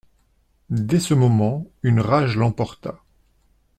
Dès ce moment, une rage l'emporta.